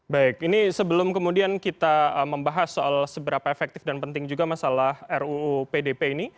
baik ini sebelum kemudian kita membahas soal seberapa efektif dan penting juga masalah ruu pdp ini